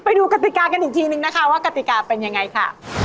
ไปดูกติกากันอีกทีนึงนะคะว่ากติกาเป็นยังไงค่ะ